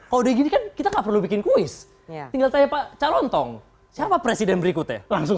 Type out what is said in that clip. kalau dikit kita perlu bikin kuis tinggal saya pak calontong syapa presiden berikutnya langsung